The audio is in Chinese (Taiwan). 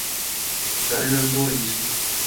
男人玻璃心